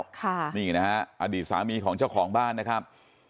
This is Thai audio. ค่ะนี่นะฮะอดีตสามีของเจ้าของบ้านนะครับ